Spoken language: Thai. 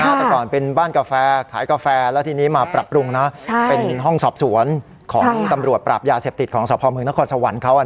แต่ก่อนเป็นบ้านกาแฟขายกาแฟแล้วทีนี้มาปรับปรุงนะเป็นห้องสอบสวนของตำรวจปราบยาเสพติดของสพเมืองนครสวรรค์เขา